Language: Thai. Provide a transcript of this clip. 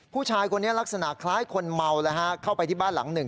ผู้ชายคนนี้ลักษณะคล้ายคนเมาแล้วฮะเข้าไปที่บ้านหลังหนึ่ง